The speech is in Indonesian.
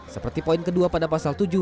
seperti poin kedua pada pasal tujuh